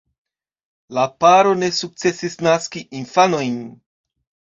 La paro ne sukcesis naski infanojn.